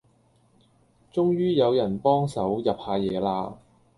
終於有人幫手入下野啦